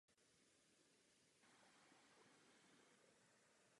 Profesí byl úředníkem.